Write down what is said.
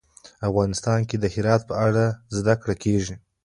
افغانستان کې د هرات په اړه زده کړه کېږي.